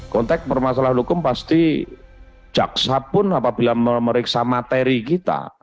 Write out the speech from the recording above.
konteks permasalahan hukum pasti jaksa pun apabila memeriksa materi kita